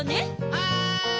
はい！